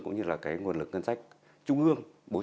cũng như là cái nguồn lực ngân sách trung ương bố trí